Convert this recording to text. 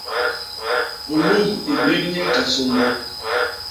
Pulus i mbép nye kasôñgô.